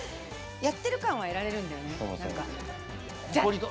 やってる感は得られるんだよね。